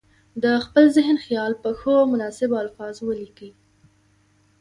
د خپل ذهن خیال په ښو او مناسبو الفاظو ولیکي.